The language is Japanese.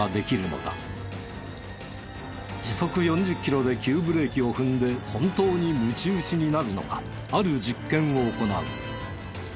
時速４０キロで急ブレーキを踏んで本当にむち打ちになるのかある実験を行う。